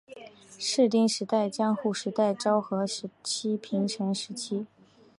室町时代江户时代昭和时期平成时期